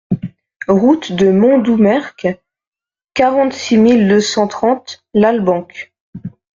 Route de Montdoumerc, quarante-six mille deux cent trente Lalbenque